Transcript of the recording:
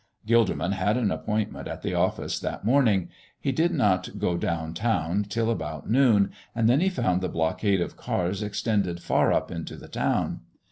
Gilderman had an appointment at the office that morning. He did not go down town till about noon, and then he found the blockade of cars extended far up into the town.